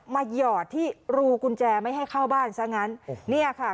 หยอดที่รูกุญแจไม่ให้เข้าบ้านซะงั้นเนี่ยค่ะ